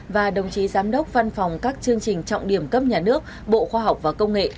và đồng chí giám đốc văn phòng các chương trình trọng điểm cấp nhà nước bộ khoa học và công nghệ